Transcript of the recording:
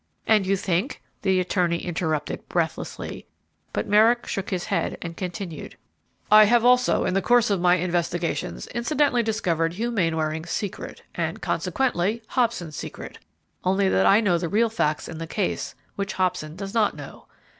"And you think " the attorney interrupted, breathlessly; but Merrick shook his head and continued, "I have also, in the course of my investigations, incidentally discovered Hugh Mainwaring's secret, and, consequently, Hobson's secret, only that I know the real facts in the case, which Hobson does not know.